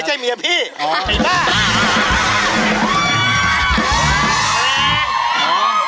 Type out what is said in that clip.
ไม่ใช่เมียพี่ไอ้บ้า